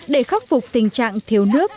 để khắc phục tình trạng thiếu nước